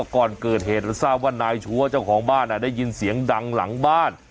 ก่อนเกิดเหตุเราทราบว่านายชัวร์เจ้าของบ้านได้ยินเสียงดังหลังบ้าน